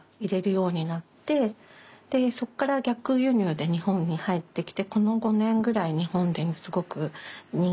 そこから逆輸入で日本に入ってきてこの５年ぐらい日本ですごく人気で。